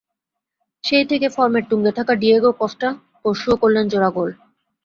সেই থেকেই ফর্মের তুঙ্গে থাকা ডিয়েগো কস্তা পরশুও করলেন জোড়া গোল।